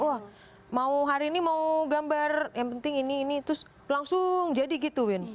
wah mau hari ini mau gambar yang penting ini ini terus langsung jadi gitu win